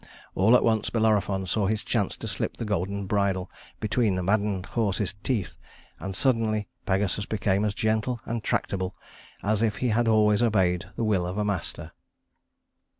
All at once Bellerophon saw his chance to slip the golden bridle between the maddened horse's teeth, and suddenly Pegasus became as gentle and tractable as if he had always obeyed the will of a master.